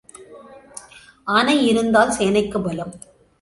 ஆனை இருந்தால் சேனைக்குப் பலம்.